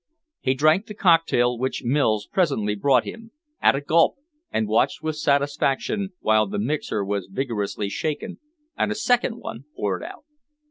He drank the cocktail which Mills presently brought him, at a gulp, and watched with satisfaction while the mixer was vigorously shaken and a second one poured out.